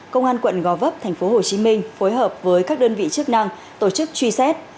công an quận gò vấp tp hcm phối hợp với các đơn vị chức năng tổ chức truy xét